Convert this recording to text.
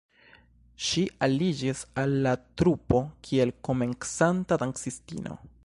Ŝi aliĝis al la trupo, kiel komencanta dancistino.